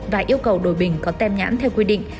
và yêu cầu đồi bình có tem nhãn theo quy định